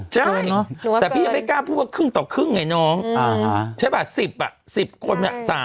ใช่แต่พี่ยังไม่กล้าพูดว่าครึ่งต่อครึ่งไงน้องใช่ป่ะ๑๐อ่ะ๑๐คน